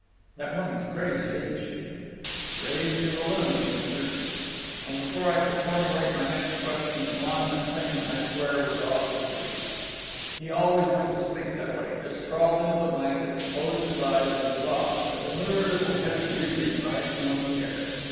"That woman's crazy, isn't she?" "Crazy as a loon," he answered. And before I could formulate my next question, Lon McFane, I swear, was off to sleep. He always went to sleep that way—just crawled into the blankets, closed his eyes, and was off, a demure little heavy breathing rising on the air.